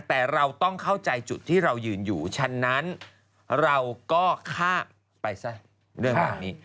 แต่เราต้องเข้าใจจุดที่เรายืนอยู่ฉะนั้นเราก็ฆ่าไปซะเรื่องแบบนี้